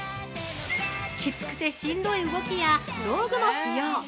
きつくてしんどい動きや道具も不要。